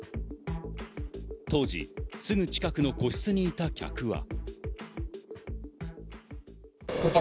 当時、すぐ近くの個室にいた客は。